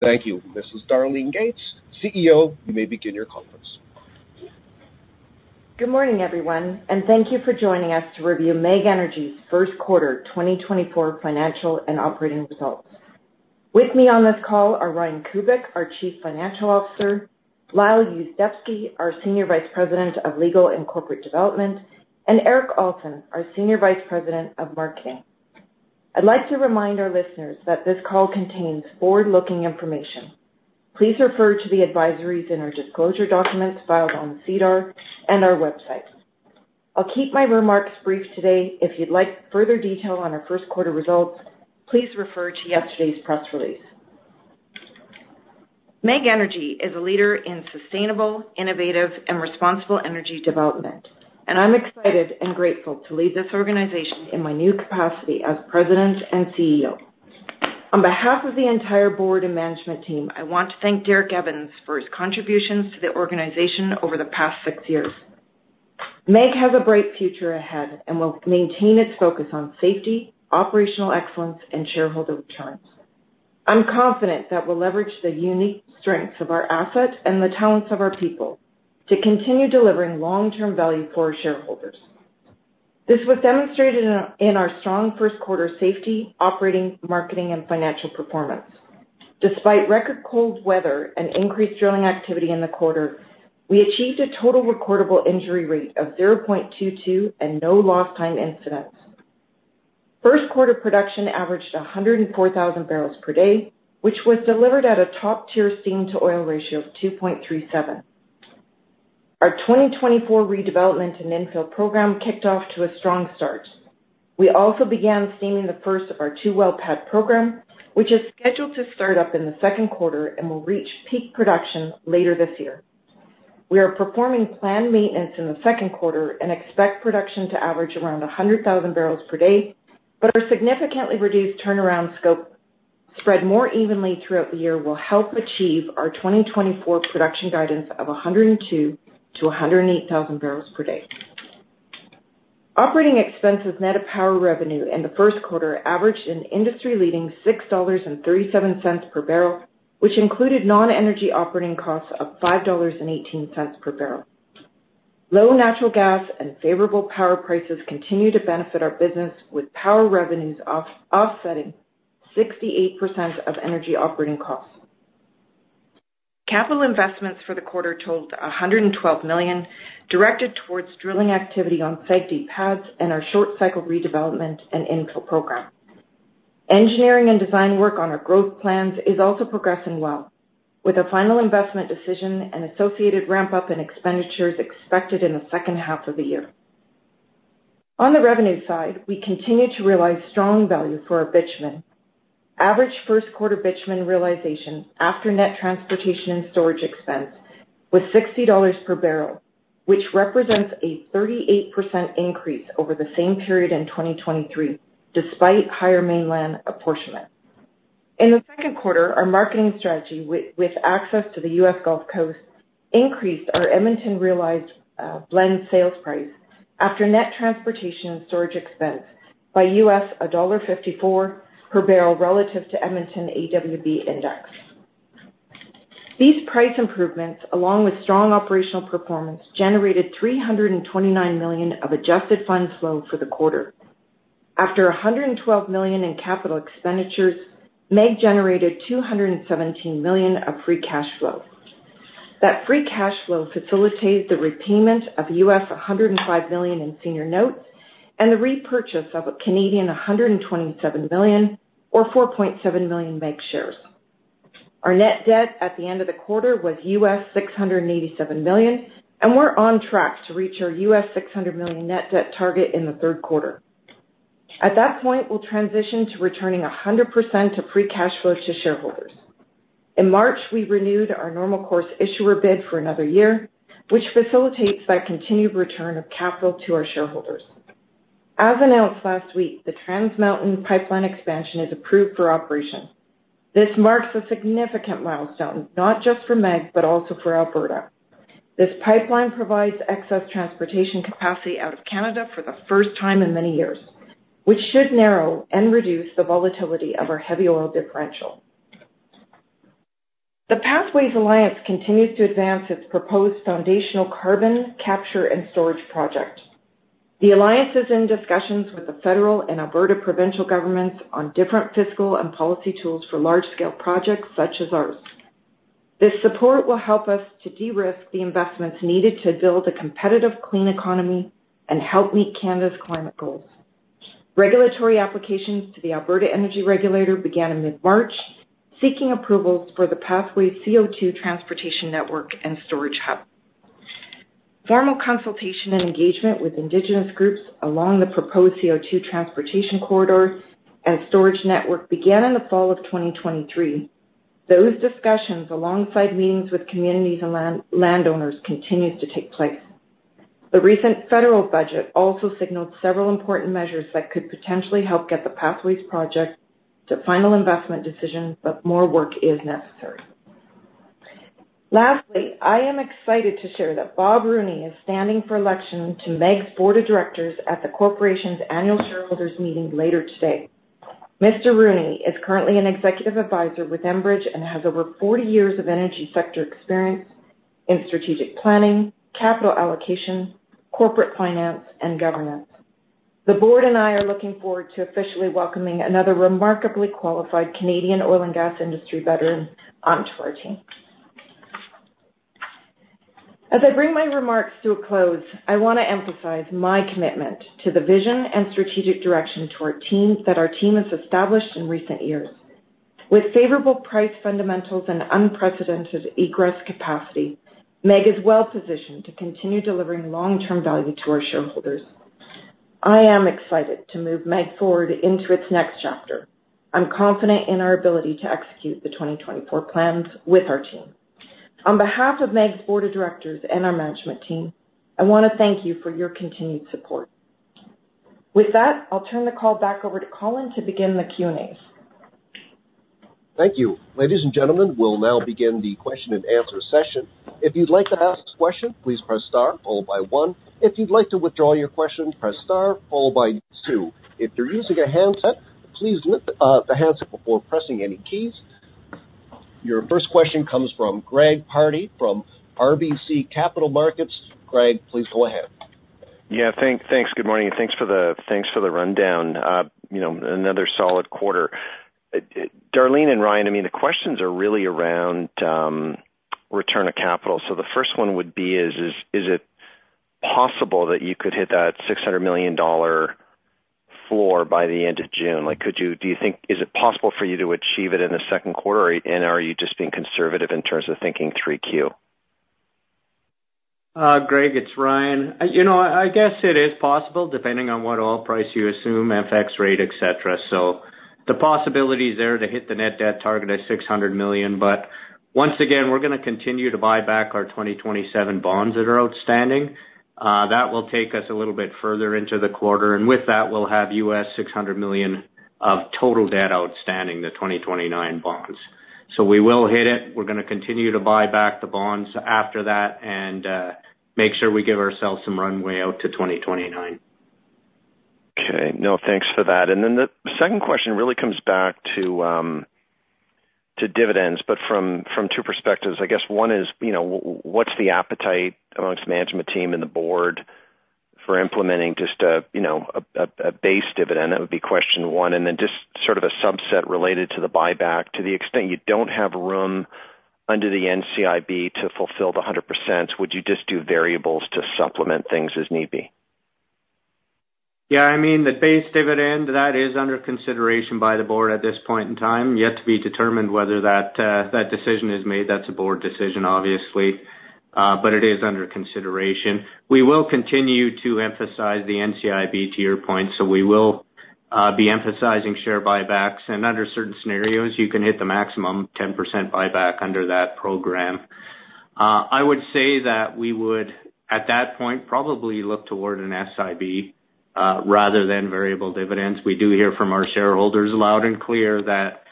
Thank you. This is Darlene Gates, CEO. You may begin your conference. Good morning, everyone, and thank you for joining us to review MEG Energy's first quarter 2024 financial and operating results. With me on this call are Ryan Kubik, our Chief Financial Officer; Lyle Yuzdepski, our Senior Vice President of Legal and Corporate Development; and Erik Alson, our Senior Vice President of Marketing. I'd like to remind our listeners that this call contains forward-looking information. Please refer to the advisories in our disclosure documents filed on SEDAR and our website. I'll keep my remarks brief today. If you'd like further detail on our first quarter results, please refer to yesterday's press release. MEG Energy is a leader in sustainable, innovative, and responsible energy development, and I'm excited and grateful to lead this organization in my new capacity as President and CEO. On behalf of the entire board and management team, I want to thank Derek Evans for his contributions to the organization over the past six years. MEG has a bright future ahead and will maintain its focus on safety, operational excellence, and shareholder returns. I'm confident that we'll leverage the unique strengths of our asset and the talents of our people to continue delivering long-term value for our shareholders. This was demonstrated in our strong first quarter safety, operating, marketing, and financial performance. Despite record cold weather and increased drilling activity in the quarter, we achieved a total recordable injury rate of 0.22 and no lost-time incidents. First quarter production averaged 104,000 bbl per day, which was delivered at a top-tier steam-to-oil ratio of 2.37. Our 2024 redevelopment and infill program kicked off to a strong start. We also began steaming the first of our two well pad programs, which is scheduled to start up in the second quarter and will reach peak production later this year. We are performing planned maintenance in the second quarter and expect production to average around 100,000 bbl per day, but our significantly reduced turnaround scope, spread more evenly throughout the year, will help achieve our 2024 production guidance of 102,000 bbl-108,000 bbl per day. Operating expenses net of power revenue in the first quarter averaged an industry-leading $6.37 per barrel, which included non-energy operating costs of $5.18 per barrel. Low natural gas and favorable power prices continue to benefit our business, with power revenues offsetting 68% of energy operating costs. Capital investments for the quarter totaled 112 million, directed towards drilling activity on SAGD pads and our short-cycle redevelopment and infill program. Engineering and design work on our growth plans is also progressing well, with a final investment decision and associated ramp-up in expenditures expected in the second half of the year. On the revenue side, we continue to realize strong value for our bitumen. Average first-quarter bitumen realization after net transportation and storage expense was $60 per barrel, which represents a 38% increase over the same period in 2023, despite higher mainland apportionment. In the second quarter, our marketing strategy, with access to the U.S. Gulf Coast, increased our Edmonton realized blend sales price after net transportation and storage expense by U.S. $1.54 per barrel relative to Edmonton AWB index. These price improvements, along with strong operational performance, generated 329 million of adjusted funds flow for the quarter. After 112 million in capital expenditures, MEG generated 217 million of free cash flow. That free cash flow facilitated the repayment of U.S. $105 million in senior notes and the repurchase of 127 million Canadian dollars, or 4.7 million, MEG shares. Our net debt at the end of the quarter was $687 million, and we're on track to reach our $600 million net debt target in the third quarter. At that point, we'll transition to returning 100% of free cash flow to shareholders. In March, we renewed our normal-course issuer bid for another year, which facilitates that continued return of capital to our shareholders. As announced last week, the Trans Mountain Pipeline Expansion is approved for operation. This marks a significant milestone, not just for MEG but also for Alberta. This pipeline provides excess transportation capacity out of Canada for the first time in many years, which should narrow and reduce the volatility of our heavy oil differential. The Pathways Alliance continues to advance its proposed foundational carbon capture and storage project. The alliance is in discussions with the federal and Alberta provincial governments on different fiscal and policy tools for large-scale projects such as ours. This support will help us to de-risk the investments needed to build a competitive, clean economy and help meet Canada's climate goals. Regulatory applications to the Alberta Energy Regulator began in mid-March, seeking approvals for the Pathways CO2 transportation network and storage hub. Formal consultation and engagement with Indigenous groups along the proposed CO2 transportation corridor and storage network began in the fall of 2023. Those discussions, alongside meetings with communities and landowners, continue to take place. The recent federal budget also signaled several important measures that could potentially help get the Pathways project to final investment decision, but more work is necessary. Lastly, I am excited to share that Bob Rooney is standing for election to MEG's board of directors at the corporation's annual shareholders' meeting later today. Mr. Rooney is currently an executive advisor with Enbridge and has over 40 years of energy sector experience in strategic planning, capital allocation, corporate finance, and governance. The board and I are looking forward to officially welcoming another remarkably qualified Canadian oil and gas industry veteran onto our team. As I bring my remarks to a close, I want to emphasize my commitment to the vision and strategic direction toward our team that our team has established in recent years. With favorable price fundamentals and unprecedented egress capacity, MEG is well-positioned to continue delivering long-term value to our shareholders. I am excited to move MEG forward into its next chapter. I'm confident in our ability to execute the 2024 plans with our team. On behalf of MEG's board of directors and our management team, I want to thank you for your continued support. With that, I'll turn the call back over to Colin to begin the Q&As. Thank you. Ladies and gentlemen, we'll now begin the question-and-answer session. If you'd like to ask a question, please press star, followed by one. If you'd like to withdraw your question, press star, followed by two. If you're using a handset, please lift the handset before pressing any keys. Your first question comes from Greg Pardy from RBC Capital Markets. Greg, please go ahead. Yeah, thanks. Good morning. Thanks for the rundown. Another solid quarter. Darlene and Ryan, I mean, the questions are really around return of capital. So the first one would be, is it possible that you could hit that $600 million floor by the end of June? Do you think is it possible for you to achieve it in the second quarter, or are you just being conservative in terms of thinking 3Q? Greg, it's Ryan. I guess it is possible, depending on what oil price you assume, FX rate, et cetera. So the possibility is there to hit the net debt target at $600 million. But once again, we're going to continue to buy back our 2027 bonds that are outstanding. That will take us a little bit further into the quarter. And with that, we'll have $600 million of total debt outstanding, the 2029 bonds. So we will hit it. We're going to continue to buy back the bonds after that and make sure we give ourselves some runway out to 2029. Okay. No, thanks for that. And then the second question really comes back to dividends, but from two perspectives. I guess one is, what's the appetite amongst the management team and the board for implementing just a base dividend? That would be question one. And then just sort of a subset related to the buyback. To the extent you don't have room under the NCIB to fulfill the 100%, would you just do variables to supplement things as need be? Yeah, I mean, the base dividend, that is under consideration by the board at this point in time. Yet to be determined whether that decision is made. That's a board decision, obviously, but it is under consideration. We will continue to emphasize the NCIB, to your point. So we will be emphasizing share buybacks. And under certain scenarios, you can hit the maximum 10% buyback under that program. I would say that we would, at that point, probably look toward an SIB rather than variable dividends. We do hear from our shareholders loud and clear that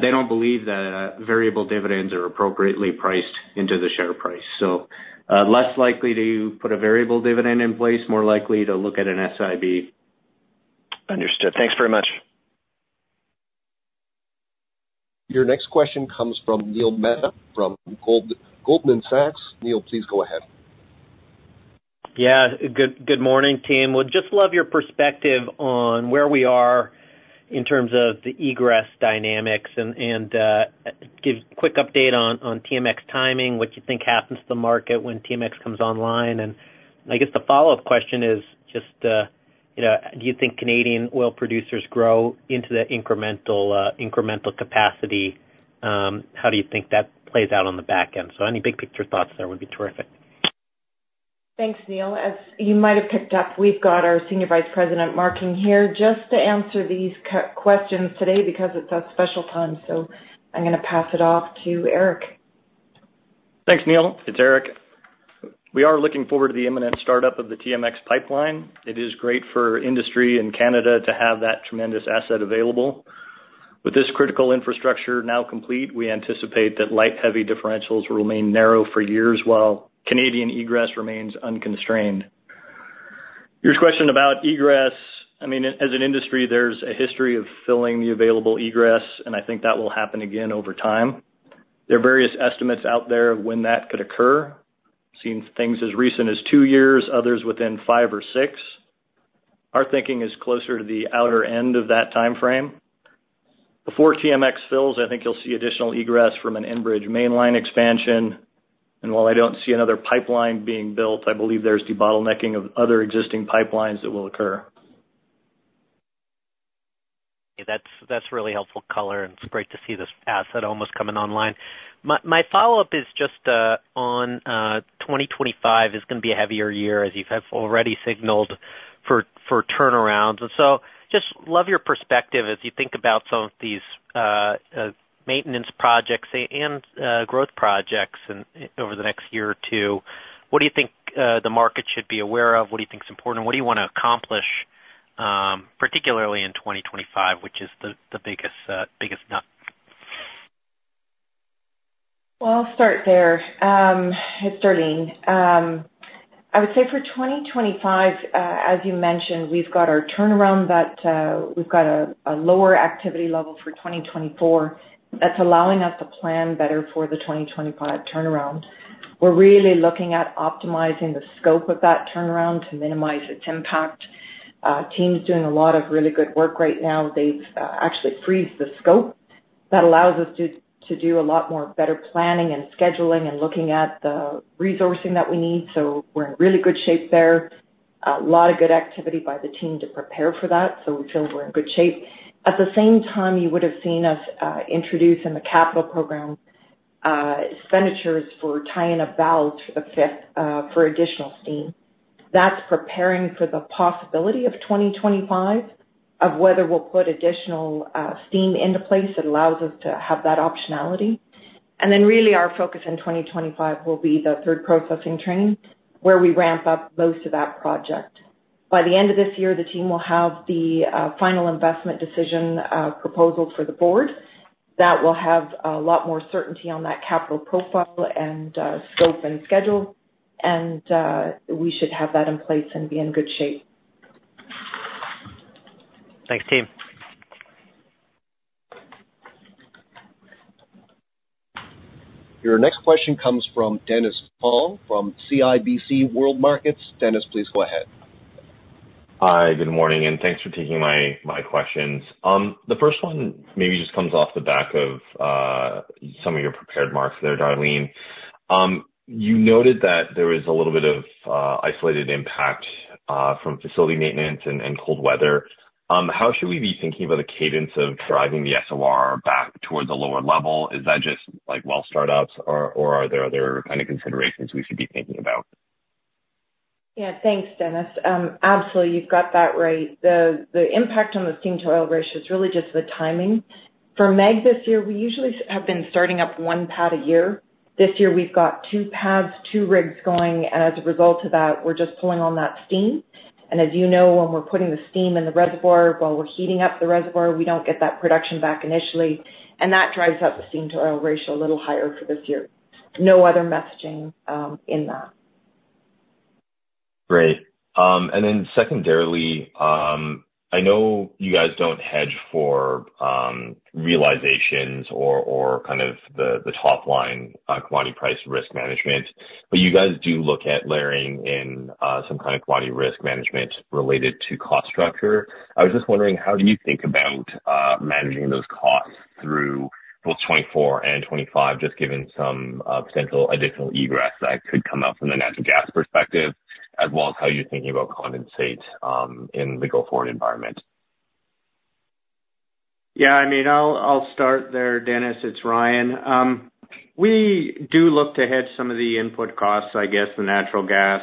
they don't believe that variable dividends are appropriately priced into the share price. So less likely to put a variable dividend in place, more likely to look at an SIB. Understood. Thanks very much. Your next question comes from Neil Mehta from Goldman Sachs. Neil, please go ahead. Yeah, good morning, team. Would just love your perspective on where we are in terms of the egress dynamics and give a quick update on TMX timing, what you think happens to the market when TMX comes online. I guess the follow-up question is just, do you think Canadian oil producers grow into the incremental capacity? How do you think that plays out on the back end? Any big-picture thoughts there would be terrific. Thanks, Neil. As you might have picked up, we've got our Senior Vice President of Marketing here just to answer these questions today because it's a special time. So I'm going to pass it off to Erik. Thanks, Neil. It's Erik. We are looking forward to the imminent startup of the TMX pipeline. It is great for industry in Canada to have that tremendous asset available. With this critical infrastructure now complete, we anticipate that light-heavy differentials will remain narrow for years while Canadian egress remains unconstrained. Your question about egress, I mean, as an industry, there's a history of filling the available egress, and I think that will happen again over time. There are various estimates out there of when that could occur, seeing things as recent as two years, others within five or six. Our thinking is closer to the outer end of that time frame. Before TMX fills, I think you'll see additional egress from an Enbridge Mainline expansion. And while I don't see another pipeline being built, I believe there's debottlenecking of other existing pipelines that will occur. Yeah, that's really helpful color, and it's great to see this asset almost coming online. My follow-up is just on 2025 is going to be a heavier year, as you've already signaled, for turnarounds. So just love your perspective as you think about some of these maintenance projects and growth projects over the next year or two. What do you think the market should be aware of? What do you think's important? What do you want to accomplish, particularly in 2025, which is the biggest nut? Well, I'll start there. It's Darlene. I would say for 2025, as you mentioned, we've got our turnaround that we've got a lower activity level for 2024 that's allowing us to plan better for the 2025 turnaround. We're really looking at optimizing the scope of that turnaround to minimize its impact. Team's doing a lot of really good work right now. They've actually frozen the scope. That allows us to do a lot more better planning and scheduling and looking at the resourcing that we need. So we're in really good shape there. A lot of good activity by the team to prepare for that, so we feel we're in good shape. At the same time, you would have seen us introduce in the capital program expenditures for tying in valves for the fifth for additional steam. That's preparing for the possibility of 2025, of whether we'll put additional steam into place. It allows us to have that optionality. And then really, our focus in 2025 will be the third processing train, where we ramp up most of that project. By the end of this year, the team will have the final investment decision proposal for the board that will have a lot more certainty on that capital profile and scope and schedule. And we should have that in place and be in good shape. Thanks, team. Your next question comes from Dennis Fong from CIBC World Markets. Dennis, please go ahead. Hi, good morning, and thanks for taking my questions. The first one maybe just comes off the back of some of your prepared remarks there, Darlene. You noted that there is a little bit of isolated impact from facility maintenance and cold weather. How should we be thinking about the cadence of driving the SOR back towards a lower level? Is that just well startups, or are there other kind of considerations we should be thinking about? Yeah, thanks, Dennis. Absolutely, you've got that right. The impact on the steam-to-oil ratio is really just the timing. For MEG this year, we usually have been starting up one pad a year. This year, we've got two pads, two rigs going. And as a result of that, we're just pulling on that steam. And as you know, when we're putting the steam in the reservoir, while we're heating up the reservoir, we don't get that production back initially. And that drives up the steam-to-oil ratio a little higher for this year. No other messaging in that. Great. And then secondarily, I know you guys don't hedge for realizations or kind of the top-line commodity price risk management, but you guys do look at layering in some kind of commodity risk management related to cost structure. I was just wondering, how do you think about managing those costs through both 2024 and 2025, just given some potential additional egress that could come out from the natural gas perspective, as well as how you're thinking about condensate in the go-forward environment? Yeah, I mean, I'll start there, Dennis. It's Ryan. We do look to hedge some of the input costs, I guess, the natural gas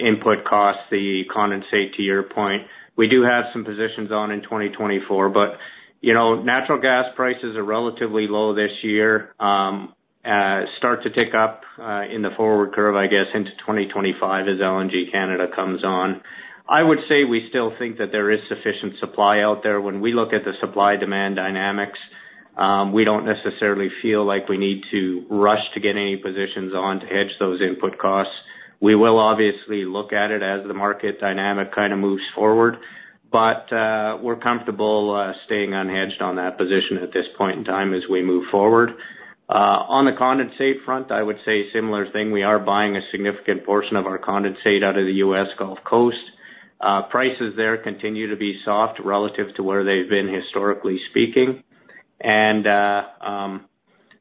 input costs, the condensate, to your point. We do have some positions on in 2024, but natural gas prices are relatively low this year. Start to tick up in the forward curve, I guess, into 2025 as LNG Canada comes on. I would say we still think that there is sufficient supply out there. When we look at the supply-demand dynamics, we don't necessarily feel like we need to rush to get any positions on to hedge those input costs. We will obviously look at it as the market dynamic kind of moves forward, but we're comfortable staying unhedged on that position at this point in time as we move forward. On the condensate front, I would say similar thing. We are buying a significant portion of our condensate out of the U.S. Gulf Coast. Prices there continue to be soft relative to where they've been historically speaking. We feel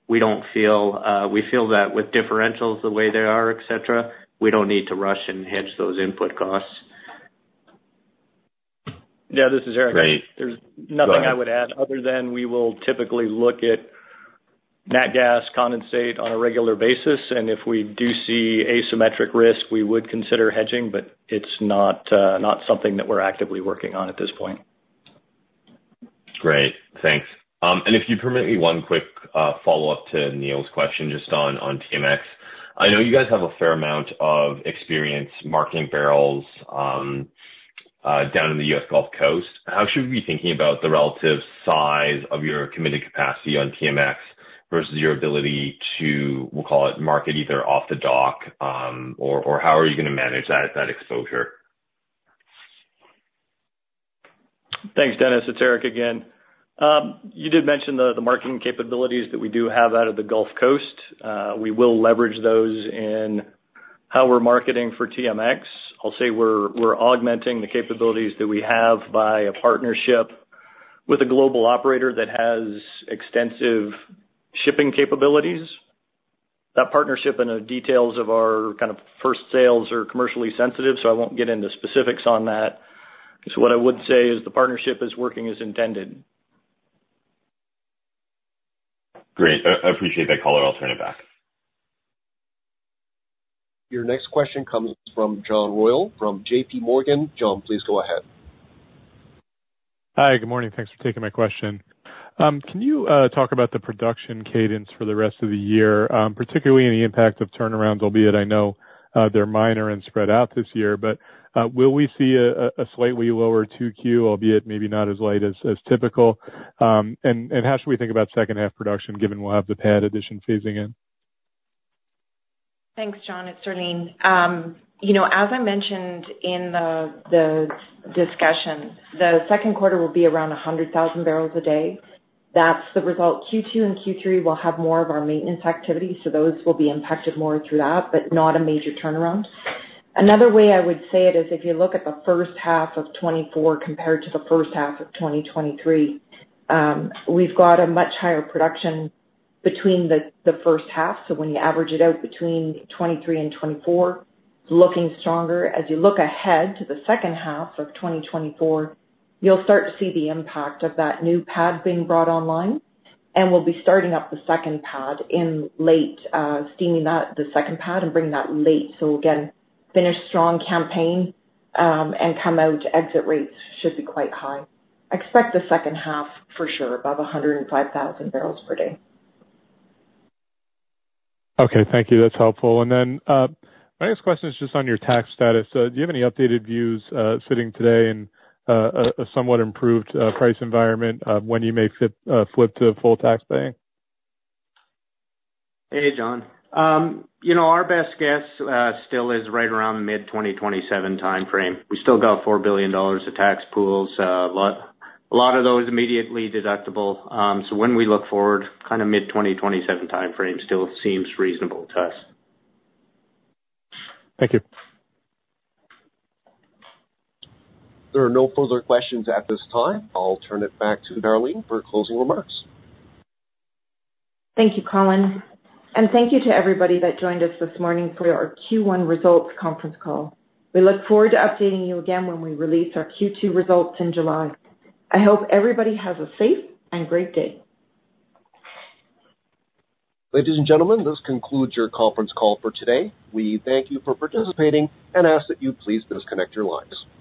that with differentials the way they are, et cetera, we don't need to rush and hedge those input costs. Yeah, this is Eric. There's nothing I would add other than we will typically look at nat gas, condensate on a regular basis. And if we do see asymmetric risk, we would consider hedging, but it's not something that we're actively working on at this point. Great. Thanks. And if you permit me one quick follow-up to Neil's question just on TMX, I know you guys have a fair amount of experience marking barrels down in the U.S. Gulf Coast. How should we be thinking about the relative size of your committed capacity on TMX versus your ability to, we'll call it, market either off the dock, or how are you going to manage that exposure? Thanks, Dennis. It's Erik again. You did mention the marketing capabilities that we do have out of the Gulf Coast. We will leverage those in how we're marketing for TMX. I'll say we're augmenting the capabilities that we have by a partnership with a global operator that has extensive shipping capabilities. That partnership and the details of our kind of first sales are commercially sensitive, so I won't get into specifics on that. So what I would say is the partnership is working as intended. Great. I appreciate that call. I'll turn it back. Your next question comes from John Royall from JP Morgan. John, please go ahead. Hi, good morning. Thanks for taking my question. Can you talk about the production cadence for the rest of the year, particularly in the impact of turnarounds, albeit I know they're minor and spread out this year, but will we see a slightly lower 2Q, albeit maybe not as light as typical? And how should we think about second-half production, given we'll have the pad addition phasing in? Thanks, John. It's Darlene. As I mentioned in the discussion, the second quarter will be around 100,000 bbl a day. That's the result. Q2 and Q3 will have more of our maintenance activity, so those will be impacted more through that, but not a major turnaround. Another way I would say it is if you look at the first half of 2024 compared to the first half of 2023, we've got a much higher production between the first half. So when you average it out between 2023 and 2024, looking stronger. As you look ahead to the second half of 2024, you'll start to see the impact of that new pad being brought online. And we'll be starting up the second pad in late, steaming the second pad and bringing that late. So again, finish strong campaign, and come out exit rates should be quite high. Expect the second half for sure above 105,000 bbl per day. Okay, thank you. That's helpful. And then my next question is just on your tax status. Do you have any updated views sitting today in a somewhat improved price environment when you may flip to full tax paying? Hey, John. Our best guess still is right around mid-2027 time frame. We still got $4 billion to tax pools, a lot of those immediately deductible. So when we look forward, kind of mid-2027 time frame still seems reasonable to us. Thank you. There are no further questions at this time. I'll turn it back to Darlene for closing remarks. Thank you, Colin. Thank you to everybody that joined us this morning for our Q1 results conference call. We look forward to updating you again when we release our Q2 results in July. I hope everybody has a safe and great day. Ladies and gentlemen, this concludes your conference call for today. We thank you for participating and ask that you please disconnect your lines.